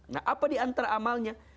nah apa diantara amalnya